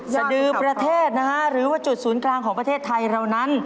สดือประเทศนะฮะหรือว่าจุดศูนย์กลางของประเทศไทยเรานั้น